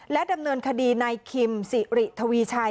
ดำเนินคดีนายคิมสิริทวีชัย